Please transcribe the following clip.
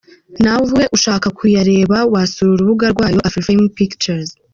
Na we ushaka kuyareba wasura urubuga rwayo, AfrifamePictures.